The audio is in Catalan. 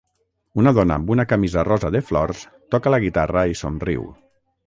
Una dona amb una camisa rosa de flors toca la guitarra i somriu